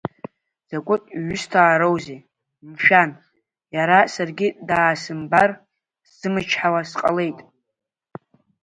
Изакәытә ҩысҭаароузеи, мшәан, иара саргьы даасымбар сзымычҳауа сҟалеитеи?